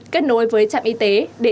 kết nối với trạm y tế để